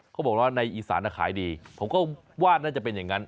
เขาบอกว่าในอีสานขายดีผมก็ว่าน่าจะเป็นอย่างนั้น